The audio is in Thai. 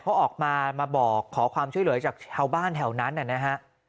เขาออกมามาบอกขอความช่วยเหลือจากชาวบ้านแถวนั้นนะฮะ